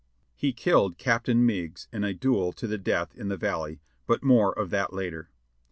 He killed Captain Meigs in a duel to the death in the Valley, but more of that later.